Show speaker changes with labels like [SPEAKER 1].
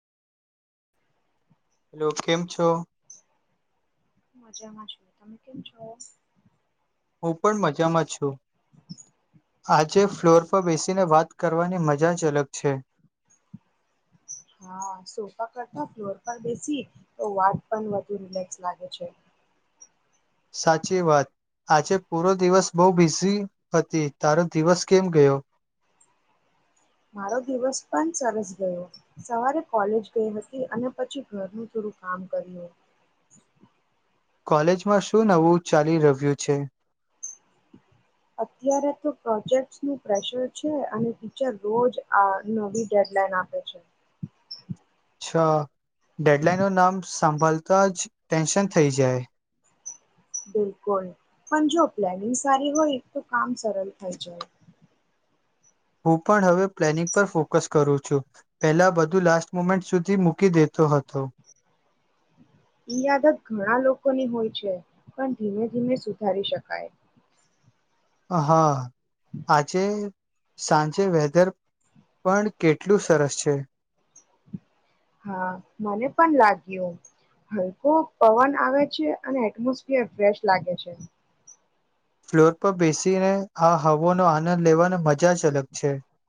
[SPEAKER 1] Hello કેમ છો?
[SPEAKER 2] મજામાં છું તમે કેમ છો?
[SPEAKER 1] હું પણ મજામાં છું આજે ફ્લોર પર બેસીને વાત કરવાની મજા જ અલગ છે.
[SPEAKER 2] હા સોફા કરતા ફ્લોર પર બેસી તો વાત પણ વધુ રિલેક્સ લાગે છે.
[SPEAKER 1] સાચી વાત આજે પૂરો દિવસ બહુ બિઝી હતિ તારો દિવસ કેમ ગયો?
[SPEAKER 2] મારો દિવસ પણ સરસ ગયો સવારે કોલેજ ગઈ હતી અને પછી ઘરનું થોડું કામ કર્યું.
[SPEAKER 1] કોલેજમાં શું નવું ચાલી રહ્યું છે.
[SPEAKER 2] અત્યારે તો પ્રોજેક્ટ્સનું પ્રેશર છે અને ટીચર રોજ આ નવી ડેડલાઇન આપે છે.
[SPEAKER 1] અચ્છા ડેડલાઈન નામ સાંભળતા જ ટેન્શન થઈ જાય છે.
[SPEAKER 2] બિલકુલ પણ જો પ્લાનિંગ સારી હોય તો કામ સરળ થઈ જાય.
[SPEAKER 1] હું પણ હવે પ્લાનિંગ પર ફોકસ કરું છું પહેલા બધું લાસ્ટ મોમેન્ટ સુધી મૂકી દેતો હતો.
[SPEAKER 2] ઈ આદત ઘણા લોકોની હોય છે પણ ધીમે ધીમે સુધારી શકાય.
[SPEAKER 1] હા આજે. સાંજે વેધર પણ કેટલું સરસ છે.
[SPEAKER 2] હા મને પણ લાગ્યું હલકો પવન આવે છે અને એટમોસફિયર ફ્રેશ લાગે છે.
[SPEAKER 1] ફ્લોર પર બેસીને આ હવા નો આનંદ લેવાની મજા જ અલગ છે